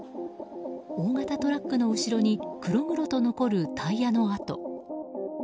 大型トラックの後ろに黒々と残るタイヤの跡。